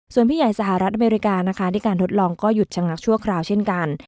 ส่วนพี่ใหญ่สหรัฐอเมริกานะคะที่การทดลองก็หยุดชะงักชั่วคราวเช่นกัน